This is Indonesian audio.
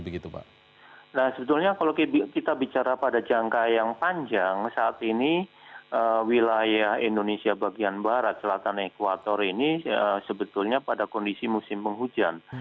nah sebetulnya kalau kita bicara pada jangka yang panjang saat ini wilayah indonesia bagian barat selatan ekuator ini sebetulnya pada kondisi musim penghujan